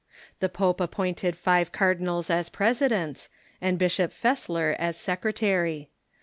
The pope appointed five cardinals as presidents, and Bishop Fessler as secretary.